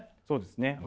そうですね。